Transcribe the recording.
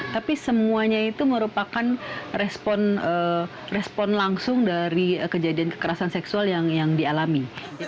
tapi semuanya itu merupakan respon langsung dari kejadian kekerasan seksual yang dialami